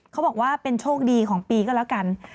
เขาบอกว่าเป็นโชคดีของปีก็แล้วกัน